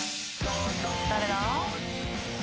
誰だ？